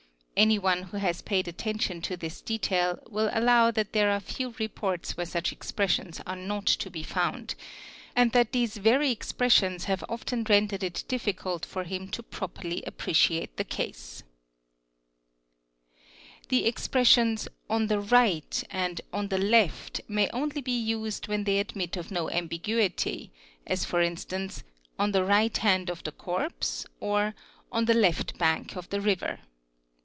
Anyone who has paid attention to this detail will allow that there are few reports where such expressions are not to be found and ; that these very expressions have often rendered it difficult for him to" properly appreciate the case. re: The expressions "on the right'' and "on the left." may only be used when they admit of no ambiguity, as for instance 'on the right hand of the corpse" or "on the left bank of the river.""